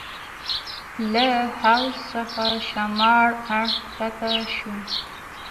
له حوض څخه شمال اړخ کښته شوو.